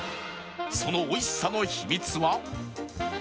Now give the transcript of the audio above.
その美味しさの秘密は